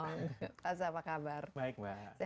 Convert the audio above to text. yang nanti dikenal dengan nama faaza ibnu ubaidillah